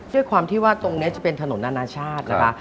ด้วยความที่ว่าตรงนี้จะเป็นถนนนานาชาตินะคะ